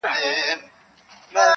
بس يوازي خوښي خپلي يې كيسې وې-